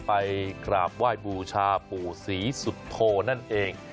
ไปกราบไหว้บูชาปู่ศรีสุโธนั่นเอง